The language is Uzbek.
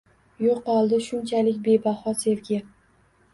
Yo’qoldi shunchalik bebaho sevgi.